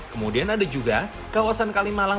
kemudian ada juga kawasan kalimalang